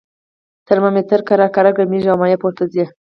ترمامتر ورو ورو ګرمیږي او مایع پورته ځي.